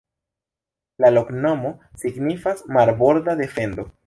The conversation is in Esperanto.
La loknomo signifas: "Marborda defendo".